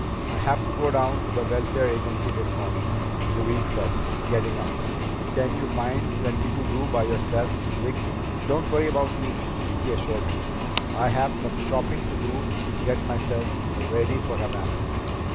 "I have to go down to the Welfare Agency this morning," Louise said, getting up. "Can you find plenty to do by yourself, Vic?" "Don't worry about me," Vicki assured her. "I have some shopping to do to get myself ready for Havana."